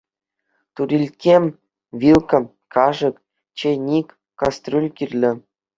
Турилкке, вилка, кашӑк, чейник, кастрюль кирлӗ.